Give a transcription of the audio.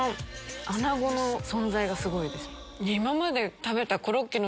アナゴの存在がすごいです。